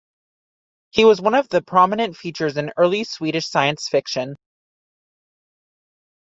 He was one of the prominent figures in early Swedish science fiction.